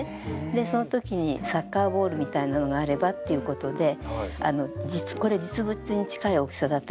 そのときにサッカーボールみたいなのがあればっていうことでこれ実物に近い大きさだったと思うんですけど